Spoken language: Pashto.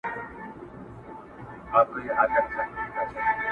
سور سالو يې د لمبو رنګ دی اخيستى٫